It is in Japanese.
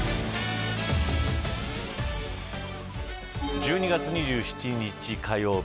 １２月２７日火曜日